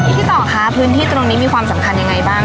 ต่อคะพื้นที่ตรงนี้มีความสำคัญยังไงบ้าง